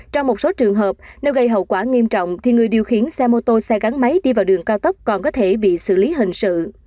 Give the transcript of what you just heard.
trong một số trường hợp nếu gây hậu quả nghiêm trọng thì người điều khiển xe mô tô xe gắn máy đi vào đường cao tốc còn có thể bị xử lý hình sự